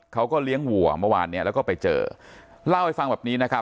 เขาก็เลี้ยงวัวเมื่อวานเนี้ยแล้วก็ไปเจอเล่าให้ฟังแบบนี้นะครับ